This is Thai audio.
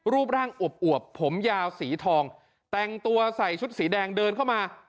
รูปร่างอวบผมยาวสีทองแต่งตัวใส่ชุดสีแดงเดินเข้ามา